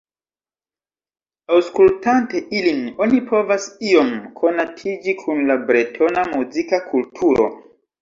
Aŭskultante ilin oni povas iom konatiĝi kun la bretona muzika kulturo.